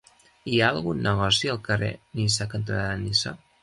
Hi ha algun negoci al carrer Niça cantonada Niça?